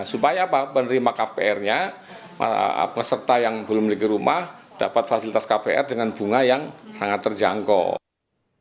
supaya penerima kpr nya peserta yang belum memiliki rumah dapat fasilitas kpr dengan bunga yang sangat terjangkau